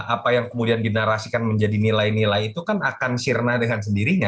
apa yang kemudian dinarasikan menjadi nilai nilai itu kan akan sirna dengan sendirinya